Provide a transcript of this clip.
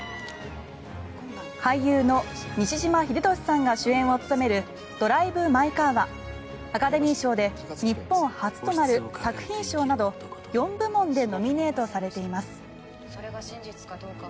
俳優の西島秀俊さんが主演を務める「ドライブ・マイ・カー」はアカデミー賞で日本初となる作品賞など４部門でノミネートされています。